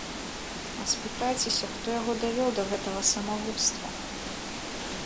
А спытайцеся, хто яго давёў да гэтага самагубства?!